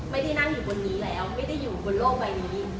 ไม่ได้นั่งอยู่บนนี้แล้วไม่ได้อยู่บนโลกใบนี้